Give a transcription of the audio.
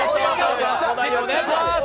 お題をお願いします。